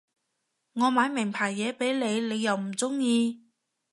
我買名牌嘢畀你你又唔中意